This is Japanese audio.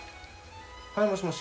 はいもしもし。